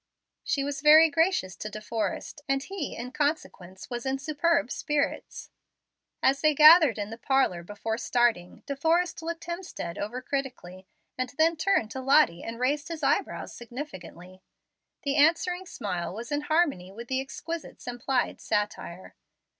She was very gracious to De Forrest, and he in consequence was in superb spirits. As they gathered in the parlor, before starting, De Forrest looked Hemstead over critically, and then turned to Lottie and raised his eye brows significantly. The answering smile was in harmony with the exquisite's implied satire.